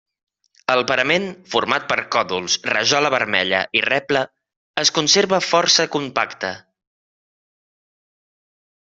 El parament, format per còdols, rajola vermella i reble, es conserva força compacte.